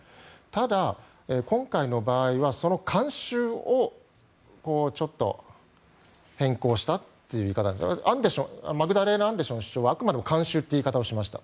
ただ、今回の場合はその慣習をちょっと変更したという言い方アンデション首相はあくまでも慣習という言い方をしました。